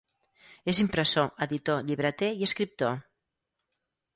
És impressor, editor, llibreter i escriptor.